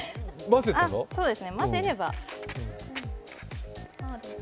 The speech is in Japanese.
混ぜれば。